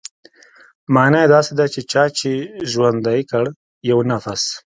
مانا يې داسې ده چې چا چې ژوندى کړ يو نفس.